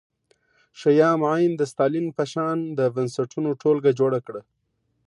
شیام عین د ستالین په شان د بنسټونو ټولګه جوړه کړه